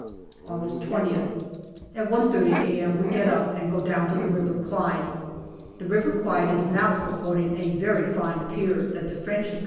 August 20th. At 1.30 a.m. we get up and go down to the River Clyde. The River Clyde is now supporting a very fine pier that the French have